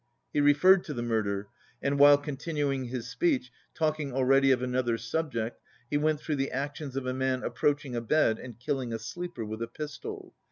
He re ferred to the murder and, while continuing his speech, talking already of another subject, he went through the actions of a man approaching a bed and killing a sleeper with a pistol.